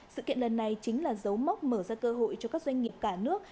sự kiện lần này chính là dấu mốc mở ra cơ hội cho các doanh nghiệp cả nước